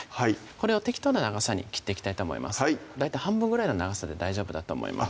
これを適当な長さに切っていきたいと思います大体半分ぐらいの長さで大丈夫だと思います